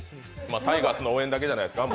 タイガースの応援だけじゃないですか。